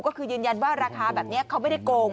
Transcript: ก็คือยืนยันว่าราคาแบบนี้เขาไม่ได้โกง